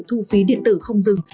thu phí điện tử không dừng